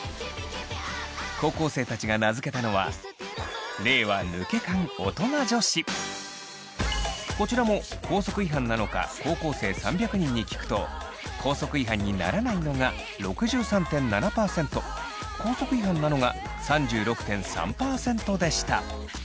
高校生たちが名付けたのはこちらも校則違反なのか高校生３００人に聞くと校則違反にならないのが６３．７％校則違反なのが３６．３％でした。